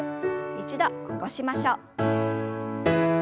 一度起こしましょう。